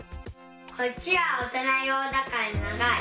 こっちはおとなようだからながい。